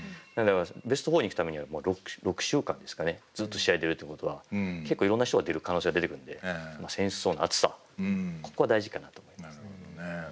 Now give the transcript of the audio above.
ベスト４に行くためには６週間ですかねずっと試合出るってことは結構いろんな人が出る可能性が出てくるので選手層の厚さここは大事かなと思います。